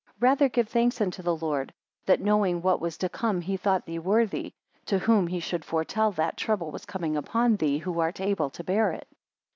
13 Rather give thanks unto the Lord, that knowing what was to come he thought thee worthy, to whom he should foretell that trouble was coming upon thee, who art able to bear it.